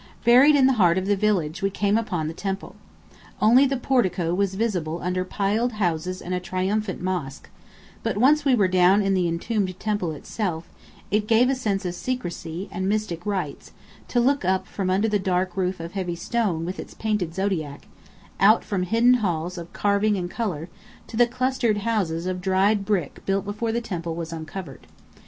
Buried in the heart of the village we came upon the temple. Only the portico was visible under piled houses and a triumphant mosque; but once we were down in the entombed temple itself, it gave a sense of secrecy, and mystic rites, to look up from under the dark roof of heavy stone with its painted zodiac, out from hidden halls of carving and colour, to the clustered houses of dried brick built before the temple was uncovered.